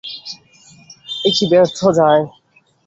এ কি ব্যর্থ যায়!